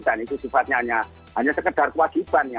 dan itu sifatnya hanya sekedar kewajibannya